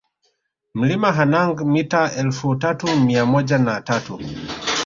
Mlima Hanang mita elfu tatu mia moja na tatu